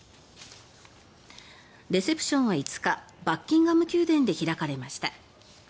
レセプションは５日バッキンガム宮殿で開かれました。